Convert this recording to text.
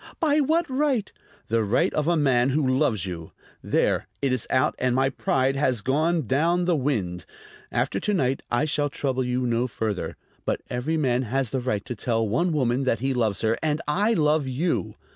"By what right " "The right of a man who loves you. There, it is out, and my pride has gone down the wind. After to night I shall trouble you no further. But every man has the right to tell one woman that he loves her; and I love you.